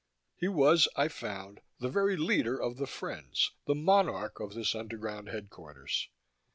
He was, I found, the very leader of the "friends," the monarch of this underground headquarters.